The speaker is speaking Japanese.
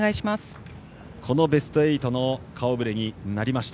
このベスト８の顔ぶれになりました。